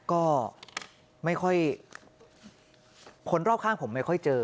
ก็ไม่ค่อยคนรอบข้างผมไม่ค่อยเจอ